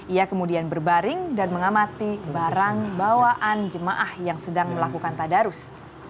ia kemudian berbaring dan mengamati barang bawaan jemaah yang sedang melakukan tadarus